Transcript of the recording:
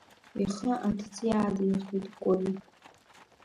Ихы аҭӡы иаадихит Кәыри.